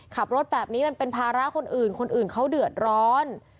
ขับรถแบบนี้มันเป็นภาระคนอื่นคนอื่นเขาเดือดร้อน